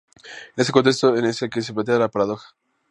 En ese contexto es en el que se plantea la paradoja.